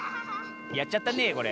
やっちゃったねえ